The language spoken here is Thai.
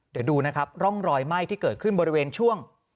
เดี๋ยวดูนะครับร่องรอยไหม้ที่เกิดขึ้นบริเวณช่วง